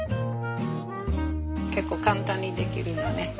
結構簡単にできるのね。